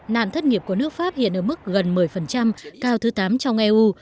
nạn thất nghiệp của nước pháp hiện ở mức gần một mươi cao thứ tám trong eu